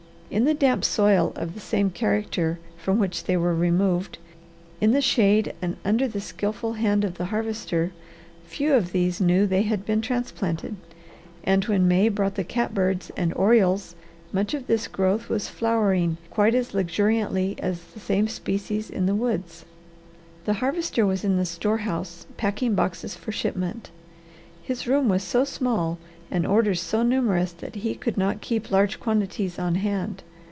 In the damp soil of the same character from which they were removed, in the shade and under the skilful hand of the Harvester, few of these knew they had been transplanted, and when May brought the catbirds and orioles much of this growth was flowering quite as luxuriantly as the same species in the woods. The Harvester was in the store house packing boxes for shipment. His room was so small and orders so numerous that he could not keep large quantities on hand.